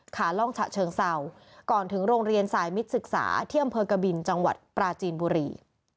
ล่องฉะเชิงเศร้าก่อนถึงโรงเรียนสายมิตรศึกษาที่อำเภอกบินจังหวัดปราจีนบุรี